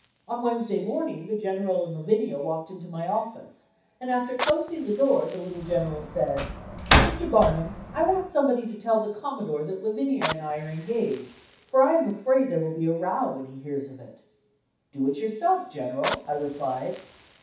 On Wednesday morning the General and Lavinia walked into my office, and after closing the door, the little General said: "Mr. Barnum, I want somebody to tell the Commodore that Lavinia and I are engaged, for I am afraid there will be a 'row' when he hears of it." "Do it yourself, General," I replied.